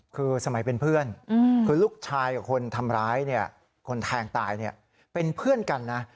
คือสมัยเป็นเพื่อนคือลูกชายกับคนทำร้ายเนี่ยคนแทงตายเป็นเพื่อนกันนะ